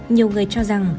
nhiều người cho rằng